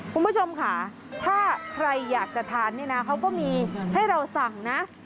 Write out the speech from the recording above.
คุณผู้ชมค่ะถ้าใครอยากจะทานนี่นะเขาก็มีให้เราสั่งนะ